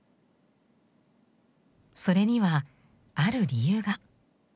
それにはある理由が。